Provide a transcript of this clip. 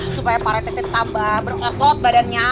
supaya pak rete tambah berotot badannya